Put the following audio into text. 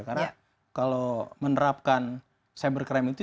karena kalau menerapkan cyber crime itu tidak hanya menghidupkan